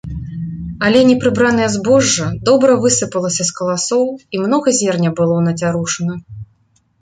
Але непрыбранае збожжа добра высыпалася з каласоў і многа зерня было нацярушана.